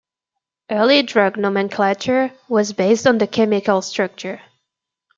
Early drug nomenclature was based on the chemical structure.